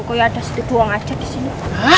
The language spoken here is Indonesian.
kayak ada sedih buang aja disini